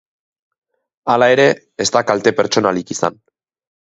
Hala ere, ez da kalte pertsonalik izan.